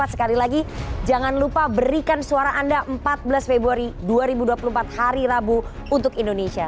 sekali lagi jangan lupa berikan suara anda empat belas februari dua ribu dua puluh empat hari rabu untuk indonesia